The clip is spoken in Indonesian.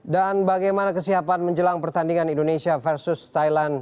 dan bagaimana kesiapan menjelang pertandingan indonesia versus thailand